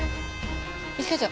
一課長。